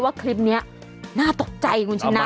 ว่าคลิปนี้น่าตกใจคุณชนะ